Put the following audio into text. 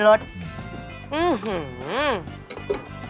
อืมหือ